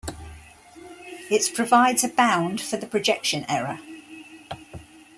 It provides a bound for the projection error.